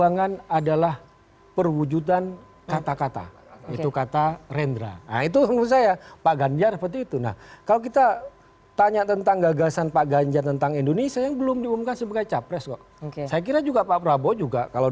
nanti kita akan tanya lebih dalam